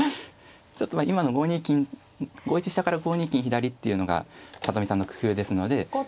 ちょっと今の５二金５一飛車から５二金左っていうのが里見さんの工夫ですのでまあ